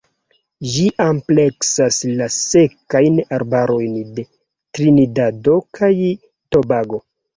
Ĝi ampleksas la Sekajn arbarojn de Trinidado kaj Tobago.